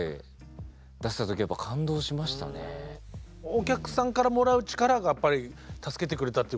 お客さんからもらう力がやっぱり助けてくれたっていうことですかね。